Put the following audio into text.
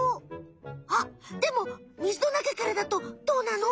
あっでもみずのなかからだとどうなの？